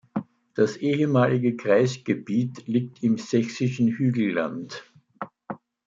Das ehemalige Kreisgebiet liegt im Sächsischen Hügelland.